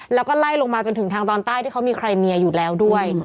แล้วก็ไล่ลงมาจนถึงทางตอนใต้ที่เขามีใครเมียอยู่แล้วด้วย